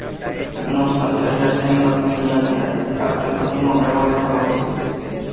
No obstante hallarse en una pequeña aldea, el templo tiene rango de parroquia.